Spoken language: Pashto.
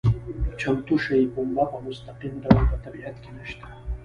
چمتو شوې پنبه په مستقیم ډول په طبیعت کې نشته.